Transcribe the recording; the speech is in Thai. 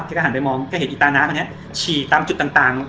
แกก็หันไปมองก็เห็นอีตาน้าแบบเนี้ยฉี่ตามจุดต่างต่าง